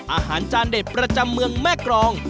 อาจารย์เด็ดประจำเมืองแม่กรอง